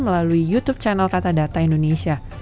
melalui youtube channel kata data indonesia